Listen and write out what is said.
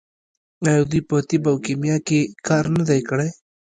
آیا دوی په طب او کیمیا کې کار نه دی کړی؟